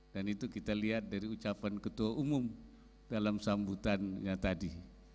dan itu kita lihat dari ucapan ketua umum dalam sambutannya tadi